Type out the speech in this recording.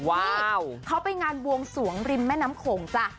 นี่เขาไปงานบวงสวงริมแม่น้ำโขงจ้ะ